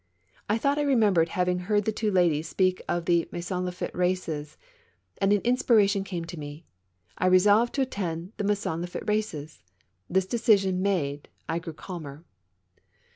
I thought I re membered having heard the two ladies speak of the MaisonS'Laffitte races, and an inspiration came to me — I resolved to attend the Maisons Laffitte races. This decision made, I grew calmer.